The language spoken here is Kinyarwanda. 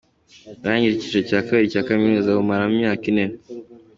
Urangije icyiciro cya kabiri cya kaminuza awumaramo imyaka ine.